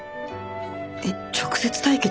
えっ直接対決？